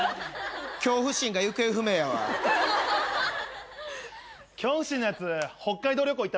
恐怖心が行方不明やわ。